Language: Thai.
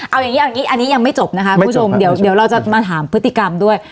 เอาอย่างนี้อันนี้ยังไม่จบนะคะคุณผู้ชมเดี๋ยวเราจะมาถามพฤติกรรมด้วย